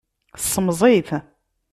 Ssemẓi-t.